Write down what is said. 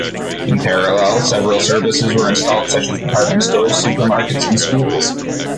In parallel, several services were installed such as department stores, supermarkets, and schools.